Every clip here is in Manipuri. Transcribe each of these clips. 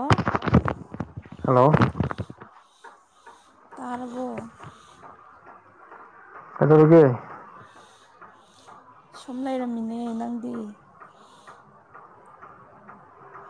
ꯑꯣ ꯍꯂꯣ ꯇꯔꯕꯣ ꯀꯩꯗꯧꯔꯤꯒꯦ ꯁꯨꯝ ꯂꯩꯔꯝꯃꯤꯅꯦ ꯅꯪꯗꯤ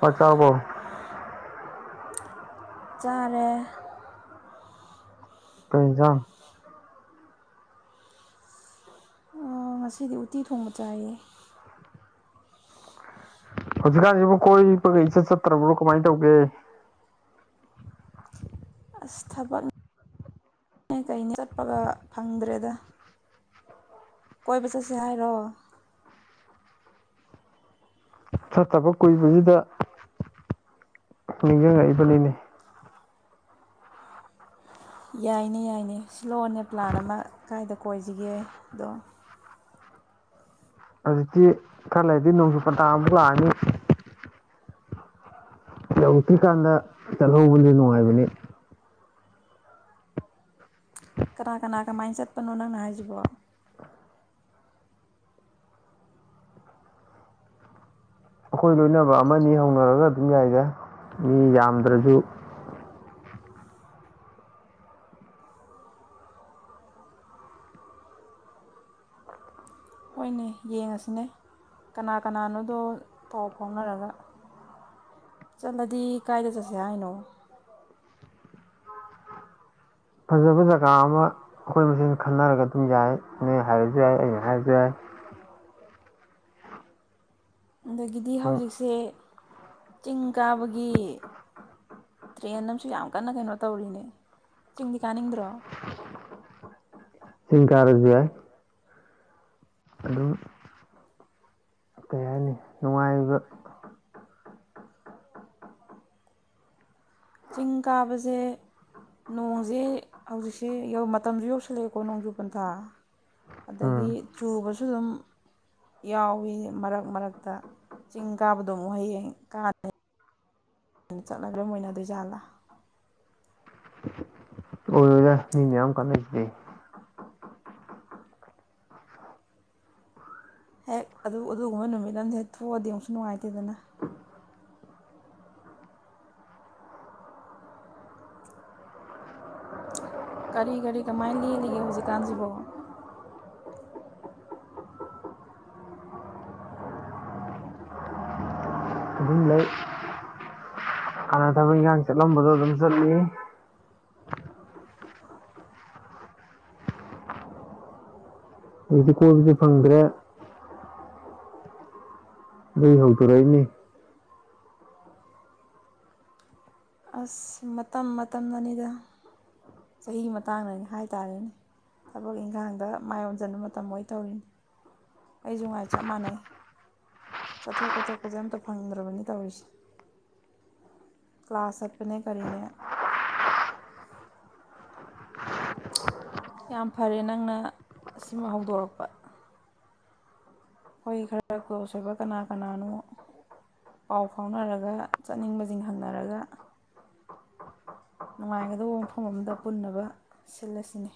ꯆꯥꯛ ꯆꯥꯔꯕꯣ ꯆꯥꯔꯦ ꯀꯩ ꯏꯪꯖꯥꯡ ꯑꯥ ꯉꯁꯤꯗꯤ ꯎꯇꯤ ꯊꯣꯡꯕ ꯆꯥꯏꯌꯦ ꯍꯧꯖꯤꯛꯀꯥꯟꯁꯤꯕꯨ ꯀꯣꯏꯕꯒ ꯏꯆꯠ ꯆꯠꯇ꯭ꯔꯕ꯭ꯔꯣ ꯀꯃꯥꯏ ꯇꯧꯒꯦ ꯑꯁ ꯊꯕꯛ ꯅꯦ ꯀꯩꯅꯦ ꯆꯠꯄꯒ ꯐꯪꯗ꯭ꯔꯦꯗ ꯀꯣꯏꯕ ꯆꯠꯁꯦ ꯍꯥꯏꯔꯣ ꯆꯠꯇꯕ ꯀꯨꯏꯕꯁꯤꯗ ꯅꯤꯡꯖꯪꯉꯛꯏꯕꯅꯤꯅꯦ ꯌꯥꯏꯅꯦ ꯌꯥꯏꯅꯦ ꯁꯤꯂꯛꯑꯣꯅꯦ ꯄ꯭ꯂꯥꯟ ꯑꯃ ꯀꯥꯏꯗ ꯀꯣꯏꯁꯤꯒꯦ ꯑꯗꯣ ꯍꯧꯖꯤꯛꯇꯤ ꯈꯔ ꯂꯩꯔꯗꯤ ꯅꯣꯡꯖꯨ ꯄꯟꯇꯥꯥ ꯑꯃꯨꯛ ꯂꯥꯛꯑꯅꯤ ꯌꯧꯔꯛꯇ꯭ꯔꯤ ꯀꯥꯟꯗ ꯆꯠꯍꯧꯕꯗꯤ ꯅꯨꯡꯉꯥꯏꯕꯅꯤ ꯀꯅꯥ ꯀꯅꯥ ꯀꯃꯥꯏꯅ ꯆꯠꯄꯅꯣ ꯅꯪꯅ ꯍꯥꯏꯁꯤꯕꯣ ꯑꯩꯈꯣꯏ ꯂꯣꯏꯅꯕ ꯑꯃꯅꯤ ꯍꯧꯅꯔꯒ ꯑꯗꯨꯝ ꯌꯥꯏꯗ ꯃꯤ ꯌꯥꯝꯗ꯭ꯔꯁꯨ ꯍꯣꯏꯅꯦ ꯌꯦꯡꯉꯁꯤꯅꯦ ꯀꯅꯥ ꯀꯅꯥꯅꯣꯗꯣ ꯄꯥꯎ ꯐꯥꯎꯅꯔꯒ ꯆꯠꯂꯗꯤ ꯀꯥꯏꯗ ꯆꯠꯁꯦ ꯍꯥꯏꯅꯣ ꯐꯖꯕ ꯖꯒꯥ ꯑꯃ ꯑꯩꯈꯣꯏ ꯃꯁꯦꯟ ꯈꯟꯅꯔꯒ ꯑꯗꯨꯝ ꯌꯥꯏ ꯅꯣꯏ ꯍꯥꯏꯔꯁꯨ ꯌꯥꯏ ꯑꯩꯅ ꯍꯥꯏꯔꯁꯨ ꯌꯥꯏ ꯑꯗꯒꯤꯗꯤ ꯑꯗꯨꯝ ꯍꯧꯖꯤꯛꯁꯦ ꯆꯤꯡ ꯀꯥꯕꯒꯤ ꯇ꯭ꯔꯦꯟ ꯑꯃꯁꯨ ꯌꯥꯝ ꯀꯟꯅ ꯀꯩꯅꯣ ꯇꯧꯔꯤꯅꯦ ꯆꯤꯡꯗꯤ ꯀꯥꯅꯤꯡꯗ꯭ꯔꯣ ꯆꯤꯡ ꯀꯥꯔꯖꯨ ꯌꯥꯏ ꯑꯗꯨꯝ ꯀꯩ ꯍꯥꯏꯅꯤ ꯅꯨꯡꯉꯥꯏꯕ ꯆꯤꯡ ꯀꯥꯕꯁꯦ ꯅꯣꯡꯁꯦ ꯍꯧꯖꯤꯛꯁꯦ ꯌꯧꯃꯇꯝꯁꯨ ꯌꯧꯁꯤꯜꯂꯛꯑꯦꯀꯣ ꯅꯣꯡꯖꯨꯄꯟꯊꯥ ꯎꯝ ꯑꯗꯒꯤ ꯆꯨꯕꯁꯨ ꯑꯗꯨꯝ ꯌꯥꯎꯋꯤ ꯃꯔꯛ ꯃꯔꯛꯇ ꯆꯤꯡ ꯀꯥꯕꯗꯣ ꯑꯃꯨꯛ ꯍꯌꯦꯡ ꯀꯥꯅꯩ ꯆꯠꯅꯕꯤꯑꯃ ꯑꯣꯏꯅꯗꯣꯏꯖꯥꯠꯂꯥ ꯑꯣꯏꯔꯣꯏꯗ ꯃꯤ ꯃꯌꯥꯝ ꯀꯥꯅꯩꯁꯤꯗꯤ ꯍꯦꯛ ꯑꯗꯨ ꯑꯗꯨꯒꯨꯝꯕ ꯅꯨꯃꯤꯠ ꯑꯃꯗ ꯍꯦꯛ ꯊꯣꯛꯑꯗꯤ ꯑꯃꯨꯛꯁꯨ ꯅꯨꯡꯉꯥꯏꯇꯦꯗꯅ ꯀꯔꯤ ꯀꯔꯤ ꯀꯃꯥꯏꯅ ꯂꯦꯜꯂꯤꯒꯦ ꯍꯧꯖꯤꯛꯀꯥꯟꯁꯤꯕꯣ ꯑꯗꯨꯝ ꯂꯩ ꯍꯥꯟꯅ ꯊꯕꯛ ꯏꯟꯈꯥꯡ ꯆꯠꯂꯝꯕꯗꯣ ꯑꯗꯨꯝ ꯆꯠꯂꯤ [unintelligible] ꯑꯩꯗꯤ ꯀꯣꯏꯕꯁꯨ ꯐꯪꯗ꯭ꯔꯦ ꯑꯗꯨꯏ ꯍꯧꯗꯨꯔꯏꯅꯤ ꯑꯁ ꯃꯇꯝ ꯃꯇꯝ ꯅꯅꯤꯗ ꯆꯍꯤꯒꯤ ꯃꯇꯥꯡꯗꯅꯅꯦ ꯍꯥꯏ ꯇꯔꯦꯅꯦ ꯊꯕꯛ ꯏꯪꯈꯥꯡꯗ ꯃꯥꯏꯌꯣꯟꯁꯤꯟꯕ ꯃꯇꯝ ꯑꯣꯏ ꯇꯧꯔꯤꯅꯤ ꯑꯩꯁꯨ ꯉꯥꯏ ꯆꯞ ꯃꯥꯟꯅꯩ ꯆꯠꯊꯣꯛ ꯈꯣꯊꯣꯛꯄꯁꯦ ꯑꯝꯇ ꯐꯪꯗ꯭ꯔꯕꯅꯤ ꯇꯧꯔꯤꯁꯦ ꯀꯂꯥꯁ ꯆꯠꯄꯅꯦ ꯀꯔꯤꯅꯦ ꯌꯥꯝ ꯐꯔꯦ ꯅꯪꯅ ꯁꯤꯃ ꯍꯧꯗꯣꯔꯛꯄ ꯑꯩꯈꯣꯏ ꯈꯔ ꯀ꯭ꯂꯣꯁ ꯑꯣꯏꯕ ꯀꯅꯥ ꯀꯅꯥꯅꯣ ꯄꯥꯎ ꯐꯥꯎꯅꯔꯒ ꯆꯠꯅꯤꯡꯕꯁꯤꯡ ꯍꯪꯅꯔꯒ ꯅꯨꯡꯉꯥꯏꯒꯗꯕ ꯃꯐꯝ ꯑꯃꯗ ꯄꯨꯟꯅꯕ ꯁꯤꯜꯂꯁꯤꯅꯦ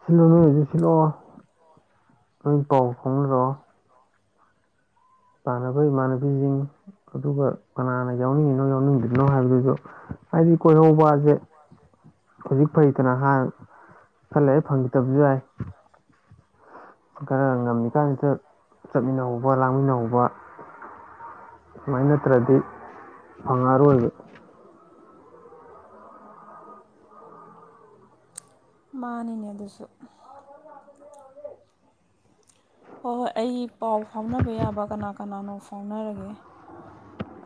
ꯁꯤꯜꯂꯣ ꯅꯣꯏ ꯑꯗꯨ ꯁꯤꯜꯂꯛꯑꯣ ꯅꯣꯏ ꯄꯥꯎ ꯐꯥꯎꯅꯔꯑꯣ ꯏꯃꯥꯟꯅꯕ ꯏꯃꯥꯟꯅꯕꯤꯁꯤꯡ ꯑꯗꯨꯒ ꯀꯅꯥꯅ ꯌꯥꯎꯅꯤꯡꯉꯤꯅꯣ ꯌꯥꯎꯅꯤꯡꯗ꯭ꯔꯤꯅꯣ ꯍꯥꯏꯕꯗꯨꯁꯨ ꯍꯥꯏꯗꯤ ꯀꯣꯏꯍꯧꯕꯁꯦ ꯍꯧꯖꯤꯛ ꯐꯩꯇꯅꯅꯍꯥ ꯈꯂꯩꯔꯒ ꯐꯪꯈꯤꯗꯕꯁꯨ ꯌꯥꯏ ꯈꯔ ꯉꯝꯃꯤꯀꯥꯟꯁꯤꯗ ꯆꯠꯃꯤꯟꯅꯍꯧꯕ ꯂꯥꯡꯃꯤꯟꯅꯍꯧꯕ ꯁꯨꯃꯥꯏꯅ ꯅꯠꯇ꯭ꯔꯗꯤ ꯐꯪꯉꯔꯣꯏꯕ ꯃꯥꯅꯤꯅꯦ ꯑꯗꯨꯁꯨ ꯍꯣꯏ ꯍꯣꯏ ꯑꯩ ꯄꯥꯎ ꯐꯥꯎꯅꯕ ꯌꯥꯕ ꯀꯅꯥ ꯀꯅꯥꯅꯣ ꯐꯥꯎꯅꯔꯒꯦ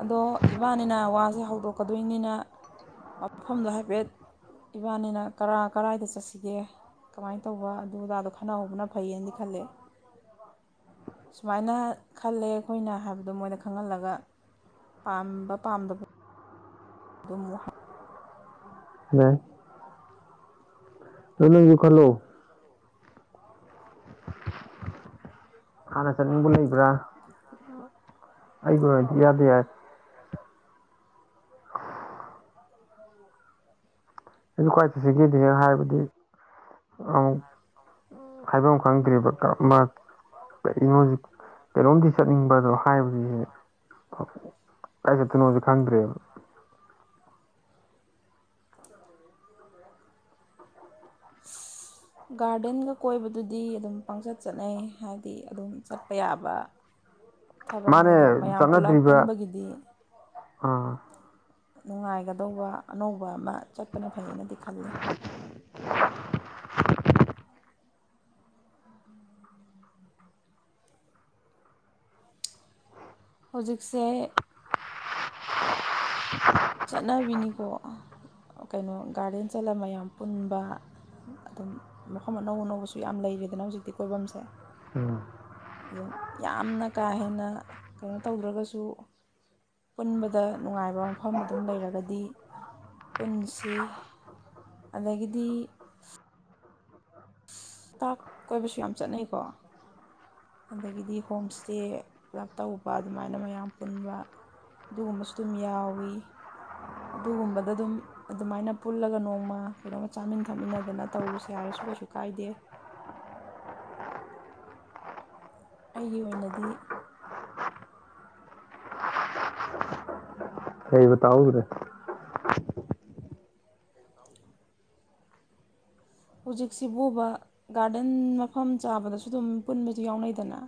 ꯑꯗꯣ ꯏꯕꯥꯟꯅꯤꯅ ꯋꯥꯁꯦ ꯍꯧꯗꯣꯛꯀꯗꯣꯏꯅꯤꯅ ꯃꯐꯝꯗꯣ ꯍꯥꯏꯐꯦꯠ ꯏꯕꯥꯟꯅꯤꯅ ꯀꯔꯥꯏ ꯀꯔꯥꯏꯗ ꯆꯠꯁꯤꯒꯦ ꯀꯃꯥꯏ ꯇꯧꯕ ꯑꯗꯨ ꯑꯗꯥꯗꯣ ꯈꯟꯅꯍꯧꯕꯅ ꯐꯩꯌꯦꯗꯤ ꯈꯜꯂꯦ ꯁꯨꯃꯥꯏꯅ ꯈꯜꯂꯦ ꯑꯩꯈꯣꯏꯅ ꯍꯥꯏꯕꯗꯣ ꯃꯣꯏꯗ ꯈꯪꯍꯜꯂꯒ ꯄꯥꯝꯕ ꯄꯥꯝꯗꯕ [unintelligible] ꯂꯩ ꯑꯗꯨ ꯅꯪꯁꯨ ꯈꯜꯂꯣ ꯍꯥꯟꯅ ꯆꯠꯅꯤꯡꯕ ꯂꯩꯕ꯭ꯔꯥ ꯑꯩꯒꯤ ꯑꯣꯏꯅꯗꯤ ꯏꯌꯥꯗ ꯌꯥꯏ [unintelligible] ꯍꯥꯐꯝ ꯈꯪꯗꯔꯦꯕ ꯀꯩꯅꯣ ꯍꯧꯖꯤꯛ ꯀꯩꯅꯣꯝꯗꯤ ꯆꯠꯅꯤꯡꯕꯗꯣ ꯍꯥꯏꯕꯗꯤ ꯀꯥꯏ ꯆꯠꯇꯣꯏꯅꯣꯥꯖꯨ ꯈꯪꯗ꯭ꯔꯦꯕꯥ ꯒꯥꯔꯗꯦꯟꯒ ꯀꯣꯏꯕꯗꯨꯗꯤ ꯑꯗꯨꯝ ꯄꯪꯆꯠ ꯆꯠꯅꯩ ꯍꯥꯏꯗꯤ ꯑꯗꯨꯝ ꯆꯠꯄꯥ ꯌꯥꯕ ꯊꯕꯛꯅꯦ ꯃꯥꯅꯦ ꯑꯗꯣ ꯃꯌꯥꯝ ꯄꯨꯂꯞ ꯆꯠꯅꯗ꯭ꯔꯤꯕ ꯄꯨꯟꯕꯒꯤꯗꯤ ꯑꯥ ꯅꯨꯡꯉꯥꯏꯒꯗꯧꯕ ꯑꯅꯧꯕ ꯑꯃ ꯆꯠꯄꯅ ꯐꯩꯌꯦꯅꯗꯤ ꯈꯜꯂꯦ ꯍꯧꯖꯤꯛꯁꯦ [unintelligible] ꯆꯠꯅꯕꯤꯅꯤꯀꯣ ꯀꯩꯅꯣ ꯒꯥꯔꯗꯦꯟ ꯆꯠꯂ ꯃꯌꯥꯝ ꯄꯨꯟꯕ ꯑꯗꯨꯝ ꯃꯐꯝ ꯑꯅꯧ ꯑꯅꯧꯕꯁꯨ ꯌꯥꯝ ꯂꯩꯔꯦꯗꯅ ꯍꯧꯖꯤꯛꯇꯤ ꯀꯣꯏꯐꯝꯁꯦ ꯎꯝ ꯑꯗꯨꯝ ꯌꯥꯝꯅ ꯀꯥ ꯍꯦꯟꯅ ꯀꯩꯅꯣ ꯇꯧꯗ꯭ꯔꯒꯁꯨ ꯄꯨꯟꯕꯗ ꯅꯨꯡꯉꯥꯏꯕ ꯃꯐꯝ ꯑꯗꯨꯝ ꯂꯩꯔꯒꯗꯤ ꯄꯨꯟꯁꯤ ꯑꯗꯒꯤꯗꯤ ꯁ꯭ꯇꯥꯐ ꯀꯣꯏꯕꯁꯨ ꯌꯥꯝ ꯆꯠꯅꯩꯀꯣ ꯑꯗꯒꯤꯗꯤ ꯍꯣꯝ ꯁ꯭ꯇꯦ ꯌꯥꯝ ꯇꯧꯕ ꯑꯗꯨꯃꯥꯏꯅ ꯃꯌꯥꯝ ꯄꯨꯟꯕꯁꯨ ꯑꯗꯨꯒꯨꯝꯕꯁꯨ ꯑꯗꯨꯝ ꯌꯥꯎꯋꯤ ꯑꯗꯨꯒꯨꯝꯕꯗ ꯑꯗꯨꯝ ꯑꯗꯨꯃꯥꯏꯅ ꯄꯨꯜꯂꯒ ꯅꯣꯡꯃ ꯀꯩꯅꯣꯝꯃ ꯆꯥꯃꯤꯟ ꯊꯛꯃꯤꯟꯅꯗꯅ ꯇꯧꯔꯨꯁꯦ ꯍꯥꯏꯔꯁꯨ ꯀꯩꯁꯨ ꯀꯥꯏꯗꯦ ꯑꯩꯒꯤ ꯑꯣꯏꯅꯗꯤ ꯀꯩꯕ ꯇꯥꯍꯧꯗ꯭ꯔꯦ ꯍꯧꯖꯤꯛꯁꯤ ꯄꯨꯕ ꯒꯥꯔꯗꯦꯟ ꯃꯐꯝ ꯆꯥꯕꯗꯁꯨ ꯑꯗꯨꯝ ꯄꯨꯟꯕꯁꯨ ꯌꯥꯎꯅꯩꯗꯅ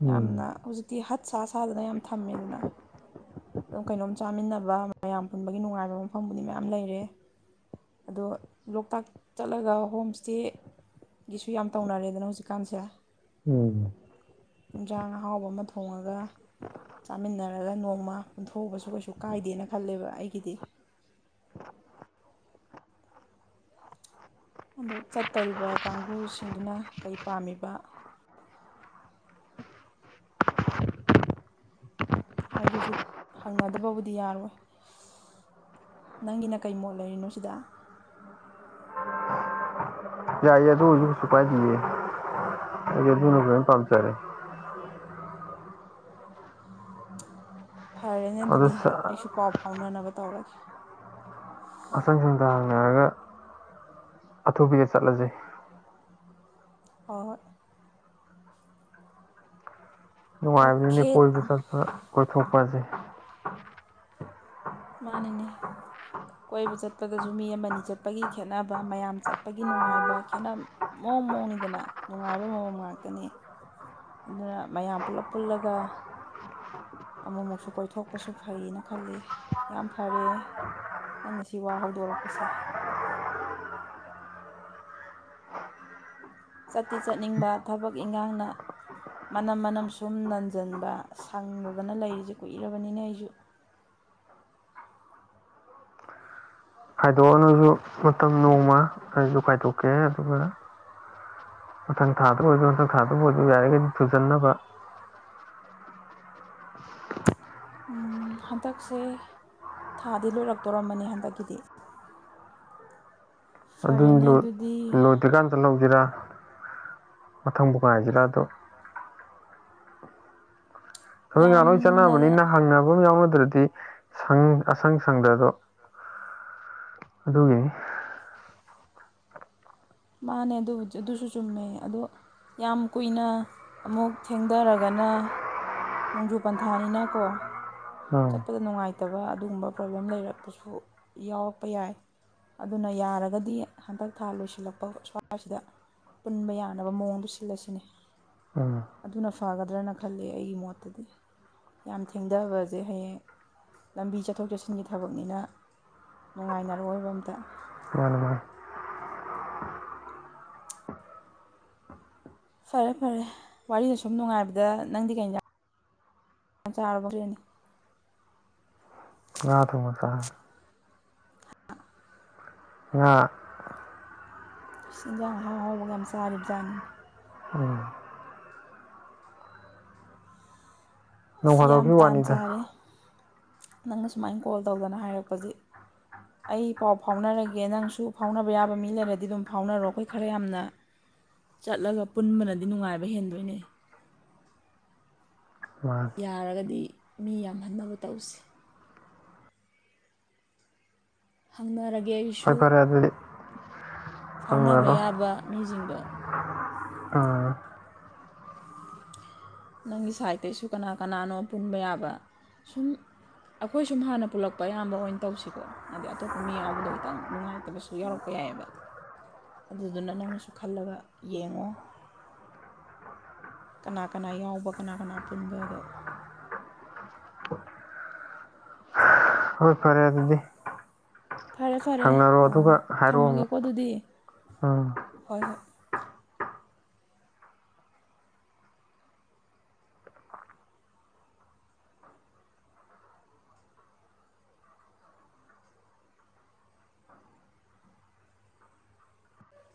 ꯎꯝ ꯌꯥꯝꯅ ꯍꯧꯖꯤꯛꯇꯤ ꯍꯠ ꯁꯥ ꯁꯥꯗꯅ ꯌꯥꯝ ꯊꯝꯃꯦꯗꯅ ꯑꯗꯨꯝ ꯀꯩꯅꯣꯝ ꯆꯥꯃꯤꯟꯅꯕ ꯃꯌꯥꯝ ꯄꯨꯟꯕꯒꯤ ꯅꯨꯡꯉꯥꯏꯕ ꯃꯐꯝꯕꯨꯗꯤ ꯃꯌꯥꯝ ꯂꯩꯔꯦ ꯑꯗꯣ ꯂꯣꯛꯇꯥꯛ ꯆꯠꯂꯒ ꯍꯣꯝ ꯁ꯭ꯇꯦꯁꯨ ꯌꯥꯝ ꯇꯧꯅꯔꯦꯗꯅ ꯍꯧꯖꯤꯛꯀꯥꯟꯁꯦ ꯎꯝ ꯏꯟꯁꯥꯡ ꯑꯍꯥꯎꯕ ꯑꯃ ꯊꯣꯡꯉꯒ ꯆꯥꯃꯤꯟꯅꯔꯒ ꯅꯣꯡꯃ ꯄꯨꯟꯊꯣꯛꯎꯕꯁꯨ ꯀꯩꯁꯨ ꯀꯥꯏꯗꯦꯅ ꯈꯜꯂꯦꯕ ꯑꯩꯒꯤꯗꯤ ꯑꯗꯣ ꯆꯠꯇꯧꯔꯤꯕ ꯀꯥꯡꯕꯨꯁꯤꯡꯗꯨꯅ ꯀꯩ ꯄꯥꯝꯃꯤꯕ ꯍꯥꯏꯗꯨꯁꯨ ꯍꯪꯅꯗꯕꯕꯨꯗꯤ ꯌꯥꯔꯣꯏ ꯅꯪꯒꯤꯅ ꯀꯩ ꯃꯣꯠ ꯂꯩꯔꯤꯅꯣ ꯁꯤꯗꯥ ꯌꯥꯏꯌꯦ ꯑꯗꯨ ꯑꯣꯏꯁꯨ ꯀꯩꯁꯨ ꯀꯥꯏꯗꯤꯌꯦ ꯑꯩꯗꯤ ꯑꯗꯨꯅꯕꯨ ꯍꯦꯟ ꯄꯥꯝꯖꯔꯦ ꯐꯔꯦꯅꯦ ꯑꯗꯨ ꯑꯗꯨꯗꯤ ꯑꯩꯁꯨ ꯄꯥꯎ ꯐꯥꯎꯅꯅꯕ ꯇꯧꯔꯒꯦ [unintelligible] ꯑꯊꯨꯕꯤꯗ ꯆꯠꯂꯁꯦ ꯍꯣ ꯍꯣꯏ ꯅꯨꯡꯉꯥꯏꯕꯅꯤꯅꯦ ꯑꯣꯀꯦ ꯀꯣꯏꯕ ꯆꯠꯄ ꯀꯣꯏꯊꯣꯛ ꯐꯖꯩ ꯃꯥꯅꯤꯅꯦ ꯀꯣꯏꯕ ꯆꯠꯄꯗꯁꯨ ꯃꯤ ꯑꯃꯅꯤ ꯆꯠꯄꯒꯤ ꯈꯦꯠꯅꯕ ꯃꯌꯥꯝ ꯆꯠꯄꯒꯤ ꯅꯨꯡꯉꯥꯏꯕ ꯈꯦꯠꯅ ꯃꯑꯣꯡ ꯃꯑꯣꯡꯅꯤꯗꯅ ꯅꯨꯡꯉꯥꯏꯕ ꯃꯑꯣꯡ ꯉꯥꯛꯇꯅꯤ ꯑꯗꯨꯅ ꯃꯌꯥꯝ ꯄꯨꯜꯂꯞ ꯄꯨꯜꯂꯒ ꯑꯃꯨꯛꯃꯨꯛꯁꯨ ꯀꯣꯏꯊꯣꯛꯄꯁꯨ ꯐꯩꯌꯦꯅ ꯈꯜꯂꯤ ꯌꯥꯝ ꯐꯔꯦ ꯅꯪꯅ ꯁꯤ ꯋꯥ ꯍꯧꯗꯣꯔꯛꯄꯁꯦ ꯆꯠꯇꯤ ꯆꯠꯅꯤꯡꯕ ꯊꯕꯛ ꯏꯟꯈꯥꯡꯅ ꯃꯅꯝ ꯃꯅꯝ ꯁꯨꯝ ꯅꯟꯁꯤꯟꯕ ꯁꯪꯗꯗꯅ ꯂꯩꯔꯤꯁꯦ ꯀꯨꯏꯔꯕꯅꯤꯅ ꯑꯩꯁꯨ ꯈꯥꯏꯗꯣꯛꯑꯅꯁꯨ ꯃꯇꯝ ꯅꯣꯡꯃ ꯑꯩꯁꯨ ꯈꯥꯏꯗꯣꯛꯀꯦ ꯑꯗꯨꯒ ꯃꯊꯪ ꯊꯥꯗ ꯑꯣꯏꯔꯣ ꯍꯟꯇꯛ ꯊꯥꯗꯕꯨ ꯑꯣꯏꯔꯁꯨ ꯌꯥꯔꯤꯈꯩꯗꯤ ꯊꯨꯖꯟꯅꯕ ꯍꯟꯗꯛꯁꯦ ꯊꯥꯗꯤ ꯂꯣꯏꯔꯛꯇꯣꯔꯝꯕꯅꯤ ꯍꯟꯗꯛꯀꯤꯗꯤ ꯐꯔꯦꯅꯦ ꯑꯗꯨꯅꯤ ꯑꯗꯨꯗꯤ ꯂꯣꯏꯗ꯭ꯔꯤꯀꯥꯟꯗ ꯆꯠꯍꯧ [unintelligible] ꯊꯕꯛ ꯏꯟꯈꯥꯡ ꯂꯣꯏ ꯌꯥꯝꯅ ꯆꯠꯅꯕꯅꯤꯅ ꯍꯪꯅꯕ ꯑꯃ ꯌꯥꯎꯅꯗ꯭ꯔꯗꯤ ꯄꯤ ꯁꯪ ꯑꯁꯪ ꯁꯪꯗꯗꯣ ꯑꯗꯨꯒꯤꯅꯤ ꯃꯥꯅꯦ ꯑꯗꯨꯕꯨ ꯑꯗꯨꯁꯨ ꯆꯨꯝꯃꯦ ꯑꯗꯣ ꯌꯥꯝ ꯀꯨꯏꯅ ꯑꯃꯨꯛ ꯊꯦꯡꯗꯔꯒꯅ ꯅꯣꯡꯖꯨ ꯄꯟꯊꯥꯅꯤꯅꯀꯣ ꯎꯝ ꯆꯠꯄꯗ ꯅꯨꯡꯉꯥꯏ ꯐꯇꯕ ꯑꯗꯨꯒꯨꯝꯕ ꯄ꯭ꯔꯣꯕ꯭ꯂꯦꯝ ꯂꯩꯔꯛꯄꯁꯨ ꯌꯥꯎꯔꯛꯄ ꯌꯥꯏ ꯑꯗꯨꯅ ꯌꯥꯔꯒꯗꯤ ꯍꯟꯗꯛ ꯊꯥ ꯂꯣꯏꯁꯤꯜꯂꯛ ꯑꯣ ꯁ꯭ꯋꯥꯏꯁꯤꯗ ꯄꯨꯟꯕ ꯌꯥꯅꯕ ꯃꯑꯣꯡꯗ ꯁꯤꯜꯂꯁꯤꯅꯦ ꯎꯝ ꯑꯗꯨꯅ ꯐꯒꯗ꯭ꯔꯅ ꯈꯜꯂꯦ ꯑꯩꯒꯤ ꯃꯣꯠꯇꯗꯤ ꯌꯥꯝ ꯊꯦꯡꯊꯕꯁꯦ ꯍꯌꯦꯡ ꯂꯝꯕꯤ ꯆꯠꯊꯣꯛ ꯆꯠꯁꯤꯟꯒꯤ ꯊꯕꯛꯅꯤꯅ ꯅꯨꯡꯉꯥꯏꯅꯔꯣꯏꯕ ꯑꯝꯇ ꯃꯥꯅꯤ ꯃꯥꯅꯤ ꯐꯔꯦ ꯐꯔꯦ ꯋꯥꯔꯤ ꯁꯨꯝ ꯅꯨꯡꯉꯥꯏꯕꯗ ꯅꯪꯗꯤ ꯀꯩ ꯏꯟꯖꯥꯡ ꯆꯥꯔꯕꯒꯦꯅꯦ ꯉꯥ ꯊꯣꯡꯕ ꯆꯥ ꯉꯥ ꯏꯁ ꯏꯟꯖꯥꯡ ꯑꯍꯥꯎ ꯑꯍꯥꯎꯕꯒ ꯌꯥꯝ ꯆꯥꯔꯤꯕ ꯖꯥꯠꯅꯤ ꯎꯝ ꯅꯣꯡ ꯑꯁ ꯌꯥꯝ ꯐꯗꯣꯛꯀꯤ ꯇꯥꯟ ꯋꯥꯅꯤꯗ ꯆꯥꯔꯦ ꯅꯪꯅ ꯁꯨꯃꯥꯏꯅ ꯀꯣꯜ ꯇꯧꯗꯅ ꯍꯥꯏꯔꯛꯄꯁꯦ ꯑꯩ ꯄꯥꯎ ꯐꯥꯎꯅꯔꯒꯦ ꯅꯪꯁꯨ ꯐꯥꯎꯅꯕ ꯌꯥꯕ ꯃꯤ ꯂꯩꯔꯗꯤ ꯑꯗꯨꯝ ꯐꯥꯎꯅꯔꯣ ꯑꯩꯈꯣꯏ ꯈꯔ ꯌꯥꯝꯅ ꯆꯠꯂꯒ ꯄꯨꯟꯕꯅꯗꯤ ꯅꯨꯡꯉꯥꯏꯕ ꯍꯦꯟꯗꯣꯏꯅꯦ ꯃꯥꯅꯤ ꯌꯥꯔꯒꯗꯤ ꯃꯤ ꯌꯥꯝꯍꯟꯅꯕ ꯇꯧꯁꯤ ꯍꯪꯅꯔ ꯐꯔꯦ ꯐꯔꯦ ꯑꯗꯨꯗꯤ ꯐꯥꯎꯅꯕ ꯍꯪꯅꯔꯣ ꯌꯥꯕ ꯃꯤꯁꯤꯡꯗꯣ ꯎꯝ ꯅꯪꯒꯤ ꯁꯥꯏꯠꯇꯩꯁꯨ ꯀꯅꯥ ꯀꯅꯥꯅꯣ ꯄꯨꯟꯕ ꯌꯥꯕ ꯁꯨꯝ ꯑꯩꯈꯣꯏ ꯁꯨꯝ ꯍꯥꯟꯅ ꯄꯨꯜꯂꯛꯄ ꯑꯌꯥꯝꯕ ꯑꯣꯏꯅ ꯇꯧꯁꯤꯀꯣ ꯍꯥꯏꯗꯤ ꯑꯇꯣꯞꯄ ꯃꯤ ꯌꯥꯎꯕꯗꯣ ꯈꯤꯇꯪ ꯅꯨꯡꯉꯥꯏꯇꯕꯁꯨ ꯌꯥꯎꯔꯛꯄ ꯌꯥꯏꯑꯕ ꯑꯗꯨꯗꯨꯅ ꯅꯪꯅꯁꯨ ꯈꯜꯂꯒ ꯌꯦꯡꯉꯣ ꯀꯅꯥ ꯀꯅꯥ ꯌꯥꯎꯕ ꯀꯅꯥ ꯀꯅꯥ ꯄꯨꯟꯕꯗꯣ ꯍꯣꯏ ꯐꯔꯦ ꯑꯗꯨꯗꯤ ꯐꯔꯦ ꯐꯔꯦ ꯇꯧꯔꯣ ꯑꯥ ꯑꯗꯨꯒ ꯍꯥꯏꯔꯛꯑꯣ ꯑꯃꯨꯛ ꯊꯝꯃꯒꯦꯀꯣ ꯑꯗꯨꯗꯤ ꯎꯝ ꯍꯣꯏ ꯍꯣꯏ